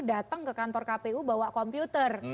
datang ke kantor kpu bawa komputer